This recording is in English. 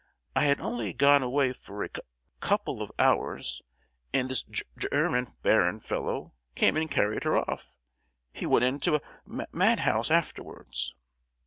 I had only gone away for a coup—couple of hours, and this Ger—German baron fellow came and carried her off! He went into a ma—madhouse afterwards!"